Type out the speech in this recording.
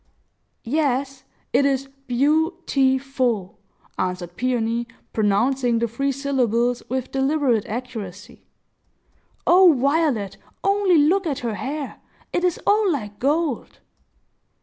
"Yes; it is beau ti ful," answered Peony, pronouncing the three syllables with deliberate accuracy. "O Violet, only look at her hair! It is all like gold!"